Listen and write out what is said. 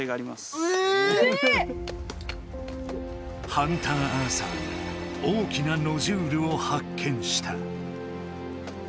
ハンターアーサーが大きなノジュールを発見した。